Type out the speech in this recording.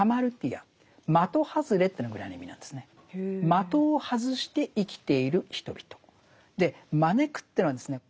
的を外して生きている人々。で招くというのはですね